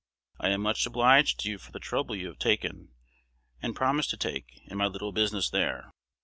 I am much obliged to you for the trouble you have taken, and promise to take, in my little business there.